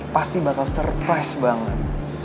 pasti bakal surprise banget